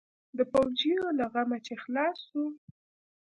د پوجيو له غمه چې خلاص سو.